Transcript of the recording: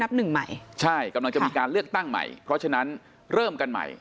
กำลังจะมีการเลือกตั้งใหม่เพราะฉะนั้นเริ่มกันใหม่